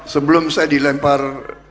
sebelum saya dilempar